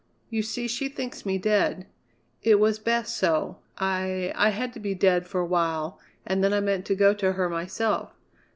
You see, she thinks me dead; it was best so. I I had to be dead for a while and then I meant to go to her myself.